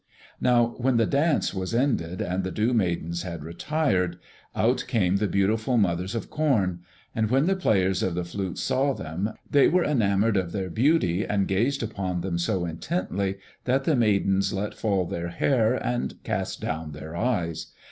Now when the dance was ended and the Dew Maidens had retired, out came the beautiful Mothers of Corn. And when the players of the flutes saw them, they were enamoured of their beauty and gazed upon them so intently that the Maidens let fall their hair and cast down their eyes.